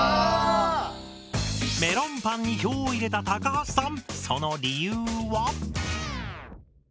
メロンパンに票を入れた高橋さん